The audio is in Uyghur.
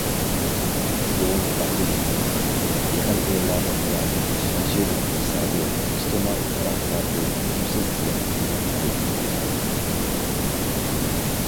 ئۇ مۇنداق دېدى: يېقىنقى يىللاردىن بۇيان، شەنشىنىڭ ئىقتىسادىي، ئىجتىمائىي تەرەققىياتى ئۈزلۈكسىز يېڭى پەللىگە كۆتۈرۈلدى.